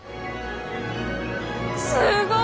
すごい！